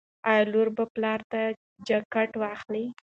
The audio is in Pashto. ایا لور به پلار ته جاکټ واخلي؟